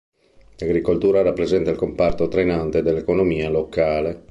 L'agricoltura rappresenta il comparto trainante dell'economia locale.